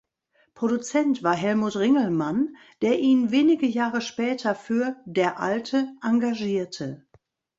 Produzent war Helmut Ringelmann, der ihn wenige Jahre später für "Der Alte" engagierte.